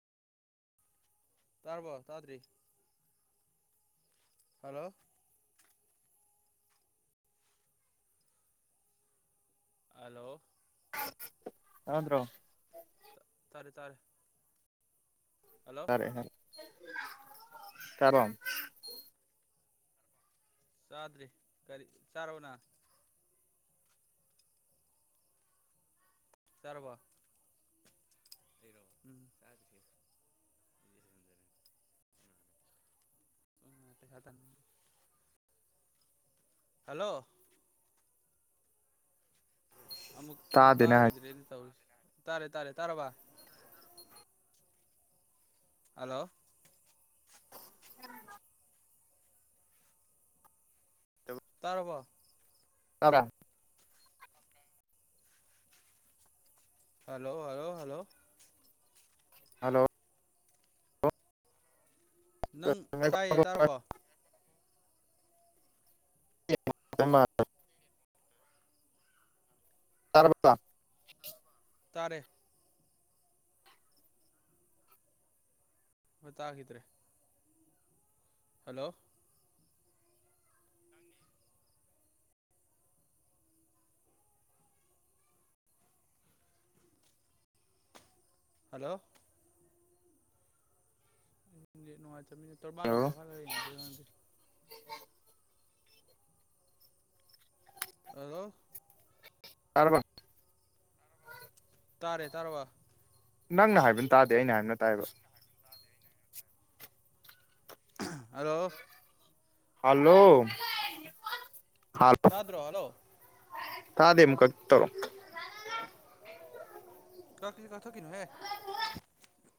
ꯇꯥꯔꯕꯣ ꯇꯥꯗ꯭ꯔꯤ ꯍꯜꯂꯣ ꯑꯂꯣ ꯇꯥꯗ꯭ꯔꯣ ꯇ ꯇꯥꯔꯦ ꯇꯥꯔꯦ ꯍꯜꯂꯣ [unintelligible] [inaudible] ꯆꯥꯗ꯭ꯔꯤ ꯀꯔꯤ ꯆꯥꯔꯕꯣ ꯅꯪ ꯆꯥꯔꯕꯣ [inaudible] [inaudible] ꯍꯜꯂꯣ ꯑꯃꯨꯛ ꯑꯃꯨꯛ ꯇꯥꯗꯦꯅꯦ ꯍꯥꯏ ꯇꯥꯈꯤꯗ꯭ꯔꯦꯅꯦ ꯇꯧꯔꯤꯁꯤ ꯇꯥꯔꯦ ꯇꯥꯔꯦ ꯇꯥꯔꯕ ꯑꯜꯂꯣ ꯇꯥꯔꯕꯣ ꯇꯕ꯭ꯔꯥ ꯍꯜꯂꯣ ꯍꯜꯂꯣ ꯍꯜꯂꯣ ꯍꯜꯂꯣ ꯅꯪ ꯇꯥꯏꯌꯦ ꯇꯥꯔꯕꯣ [unintelligible] [inaudible] [unintelligible] [inaudible] ꯇꯥꯔꯦ ꯍꯣ ꯇꯥꯈꯤꯗ꯭ꯔꯦ ꯍꯜꯂꯣ ꯍꯜꯂꯣ [unintelligible] ꯅꯦꯠ ꯅꯨꯡꯉꯥꯏꯇꯕꯅꯤ ꯇꯣꯔꯕꯥꯜꯂꯣꯝꯗ ꯀꯥ ꯈꯠꯂꯒꯥ ꯌꯦꯡꯉꯨꯁꯤꯔ ꯈꯪꯗꯦ ꯍꯜꯂꯣ ꯇꯔꯕꯥ ꯇꯥꯔꯦ ꯇꯥꯔꯕ ꯅꯪꯅ ꯍꯥꯏꯕꯅ ꯇꯥꯗꯦ ꯑꯩꯅ ꯍꯥꯏꯕꯅ ꯇꯥꯏꯕ [unintelligible] [unintelligible] ꯍꯜꯂꯣ [unintelligible] ꯇꯥꯗ꯭ꯔꯣ ꯍꯜꯂꯣ [unintelligible] ꯊꯥꯗꯦ ꯑꯃꯨꯀꯥ ꯇꯧꯔꯛ ꯑꯣ [unintelligible] ꯀꯛꯇꯤ ꯀꯛ ꯊꯠ ꯈꯤꯅꯨ ꯍꯦ